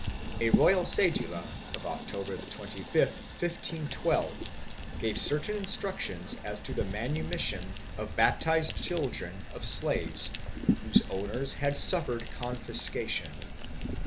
A royal cedula of October 25, 1512, gave certain instructions as to the manumission of baptized children of slaves whose owners had suffered con fiscation.